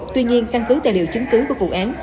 tuy nhiên căn cứ tài liệu chứng cứ của cục an